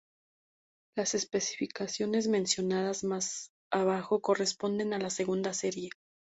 Las especificaciones mencionadas más abajo corresponden a la segunda serie.